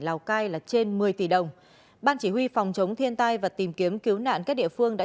lào cai là trên một mươi tỷ đồng ban chỉ huy phòng chống thiên tai và tìm kiếm cứu nạn các địa phương đã